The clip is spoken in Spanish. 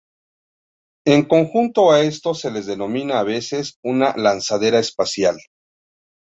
En conjunto a estos se les denomina a veces una lanzadera espacial.